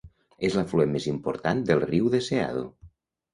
És l'afluent més important del riu Deseado.